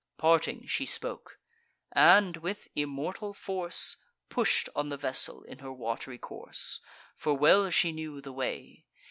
Parting, she spoke; and with immortal force Push'd on the vessel in her wat'ry course; For well she knew the way.